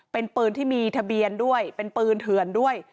เป็นปืนที่มีทะเบียนด้วยเป็นปืนเถื่อนด้วย